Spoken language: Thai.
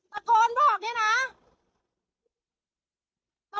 ตะโกนบอกด้วยนะ